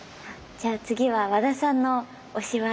じゃあ次は和田さんの推しはどの？